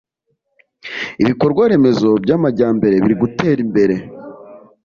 ibikorwa remezo by'amajyambere biri gutera imbere